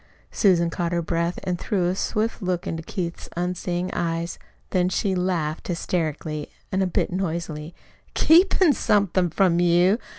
Susan caught her breath and threw a swift look into Keith's unseeing eyes. Then she laughed, hysterically, a bit noisily. "Keepin' somethin' from you?